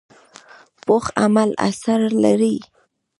پوخ عمل اثر لري